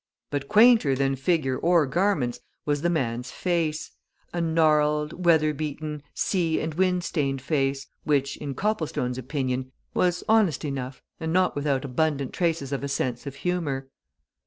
But quainter than figure or garments was the man's face a gnarled, weather beaten, sea and wind stained face, which, in Copplestone's opinion, was honest enough and not without abundant traces of a sense of humour.